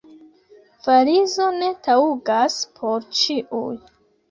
Valizo ne taŭgas por ĉiuj.